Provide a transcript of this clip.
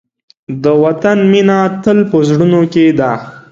د وطن مینه تل په زړونو کې ده.